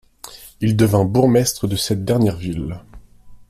Il devint bourgmestre de cette dernière ville.